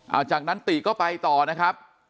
เอาจากนั้นติก็ไปต่อนะครับ